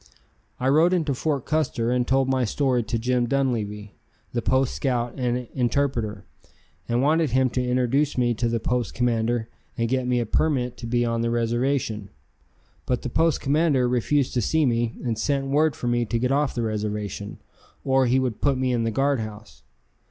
I rode into Fort Custer and told my story to Jim Dunleavy, the post scout and interpreter, and wanted him to introduce me to the post commander and get me a permit to be on the reservation. But the post commander refused to see me and sent word for me to get off the reservation, or he would put me in the guard house.